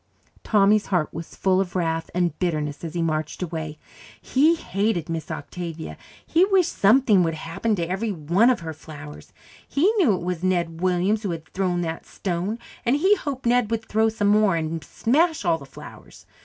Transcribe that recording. Tommy's heart was full of wrath and bitterness as he marched away. He hated Miss Octavia; he wished something would happen to every one of her flowers; he knew it was Ned Williams who had thrown that stone, and he hoped Ned would throw some more and smash all the flowers.